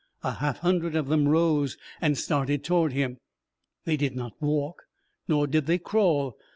A half hundred of them rose and started toward him. They did not walk, nor did they crawl.